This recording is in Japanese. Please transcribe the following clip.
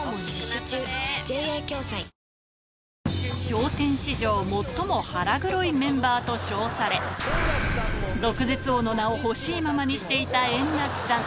笑点史上最も腹黒いメンバーと称され、毒舌王の名をほしいままにしていた円楽さん。